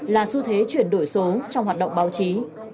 là xu thế chuyển đổi số trong hoạt động báo chí